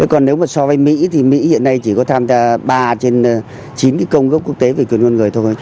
còn nếu mà so với mỹ thì mỹ hiện nay chỉ có tham gia ba trên chín cái công ước quốc tế về quyền con người thôi